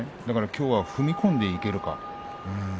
きょうは踏み込んでいけるか。